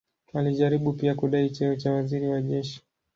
Alijaribu pia kudai cheo cha waziri wa jeshi.